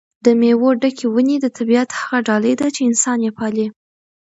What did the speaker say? د مېوو ډکې ونې د طبیعت هغه ډالۍ ده چې انسان یې پالي.